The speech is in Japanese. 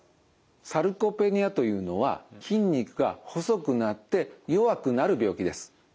サルコペニアというのは筋肉が細くなって弱くなる病気です。